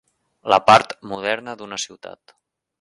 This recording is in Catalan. La part moderna d'una ciutat.